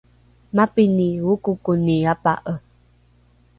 mapini okokoni apa’e?